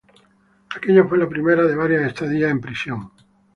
Aquella fue la primera de varias estadías en prisión.